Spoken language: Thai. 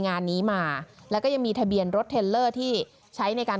งานนี้มาแล้วก็ยังมีทะเบียนรถเทลเลอร์ที่ใช้ในการ